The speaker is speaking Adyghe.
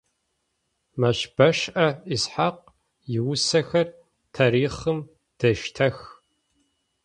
Мэщбэшӏэ Исхьакъ иусэхэр тарихъым дештэх.